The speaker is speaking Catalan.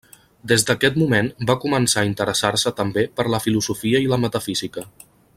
Des d'aquest moment va començar a interessar-se també per la filosofia i la metafísica.